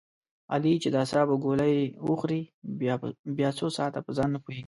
علي چې د اعصابو ګولۍ و خوري بیا څو ساعته په ځان نه پوهېږي.